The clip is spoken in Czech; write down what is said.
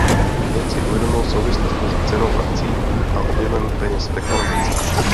Ten si uvědomil souvislost mezi cenou akcií a objemem peněz v ekonomice.